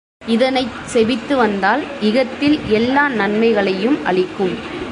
இதனைச் செபித்துவந்தால் இகத்தில் எல்லா நம்மைகளையும் அளிக்கும்.